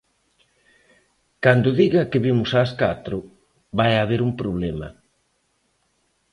Cando diga que vimos ás catro, vai haber un problema.